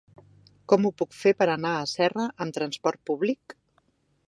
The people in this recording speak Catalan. Com ho puc fer per anar a Serra amb transport públic?